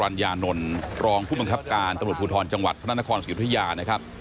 ทันตำรวจเอกสง่าพีระสรรญานนลรองผู้บังคับการตำรวจภูทรจังหวัดพนักนครสุริยุทธิญานะครับ